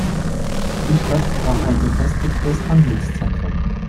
Die Stadt war ein befestigtes Handelszentrum.